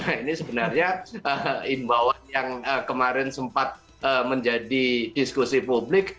nah ini sebenarnya imbauan yang kemarin sempat menjadi diskusi publik